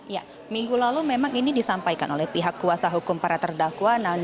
ya minggu lalu memang ini disampaikan oleh pihak kuasa hukum para terdakwa